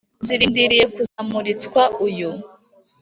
zirindiriye kuzarumuritswa uyu.